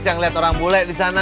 yang lihat orang bule di sana